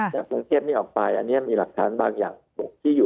กรุงเทพนี้ออกไปอันนี้มีหลักฐานบางอย่างที่อยู่